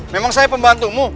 memang saya pembantumu